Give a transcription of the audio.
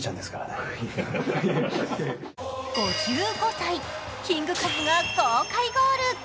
５５歳、キングカズが豪快ゴール。